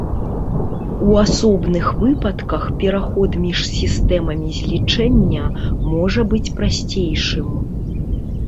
У асобных выпадках пераход між сістэмамі злічэння можа быць прасцейшым.